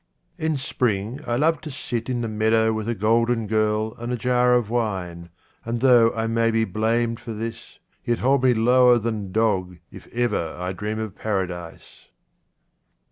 In spring I love to sit in the meadow with a golden girl and a jar of wine, and though I may be blamed for this, yet hold me lower than dog if ever I dream of Paradise.